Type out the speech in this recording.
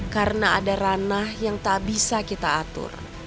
karena ada ranah yang tak bisa kita atur